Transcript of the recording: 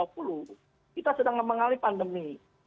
kita sedang mengalami pandemi